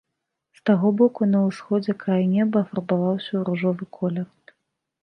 З таго боку на ўсходзе край неба афарбаваўся ў ружовы колер.